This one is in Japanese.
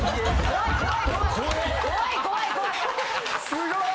すごい！